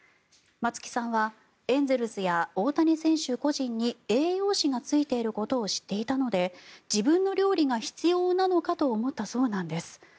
松木さんはエンゼルスや大谷選手個人に栄養士がついていることを知っていたので自分の料理が必要なのかと思ったそうなんです。